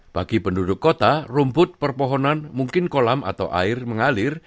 bagi penduduk kota rumput perpohonan mungkin kolam atau air mengalir